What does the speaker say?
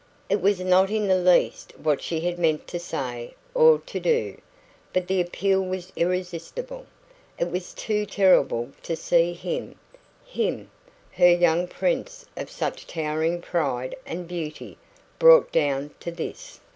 It was not in the least what she had meant to say or to do; but the appeal was irresistible. It was too terrible to see him HIM, her young prince of such towering pride and beauty brought down to this.